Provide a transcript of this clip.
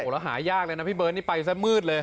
โหแล้วหายากเลยนะพี่เบิ้ลนี่ไปอยู่แซ่มมืดเลย